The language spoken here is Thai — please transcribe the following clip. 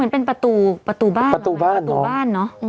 ประตูบ้านประตูบ้านเนอะ